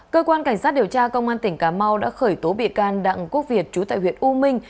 cơ quan cảnh sát điều tra công an tỉnh cà mau đã khởi tố bị can đặng quốc việt trú tại huyện u minh